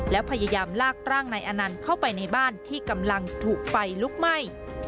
และพยายามลากร่างนายอนันต์เข้าไปในบ้านที่กำลังถูกไฟลุกไหม้